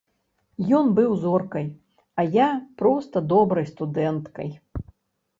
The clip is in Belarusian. Ён быў зоркай, а я проста добрай студэнткай.